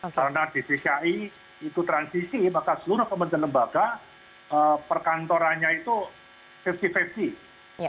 karena di dki itu transisi maka seluruh kementerian lembaga perkantorannya itu safety fancy